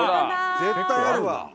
絶対あるわ。